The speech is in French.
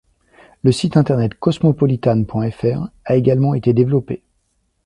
Le site internet cosmopolitan.fr a également été développé.